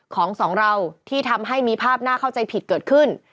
ของสองเราที่ทำให้มีภาพน่าเข้าใจผิดเกิดขึ้น